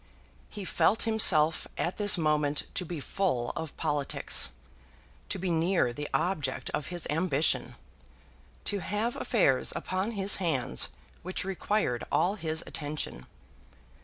He felt himself at this moment to be full of politics, to be near the object of his ambition, to have affairs upon his hands which required all his attention.